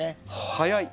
早い！